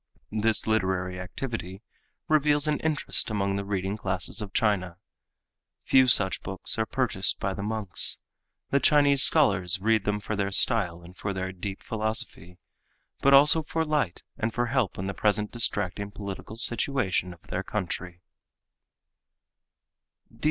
This literary activity reveals an interest among the reading classes of China. Few such books are purchased by the monks. The Chinese scholars read them for their style and for their deep philosophy, but also for light and for help in the present distracting political situation of their country.